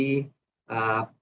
perjalanan penyakit ini